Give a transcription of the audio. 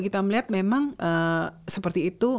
kita melihat memang seperti itu